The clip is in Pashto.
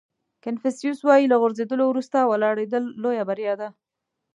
کانفیوسیس وایي له غورځېدلو وروسته ولاړېدل لویه بریا ده.